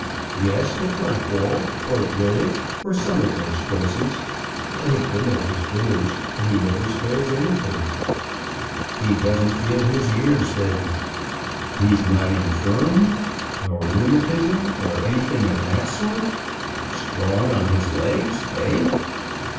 "Yes; at Blackwall, or Greenwich, or some of those places. I have been at his dinners, and he never spares anything." "He doesn't feel his years, then? He's not infirm? no rheumatism or anything of that sort strong on his legs, eh?"